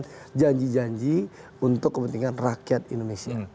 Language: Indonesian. dan janji janji untuk kepentingan rakyat indonesia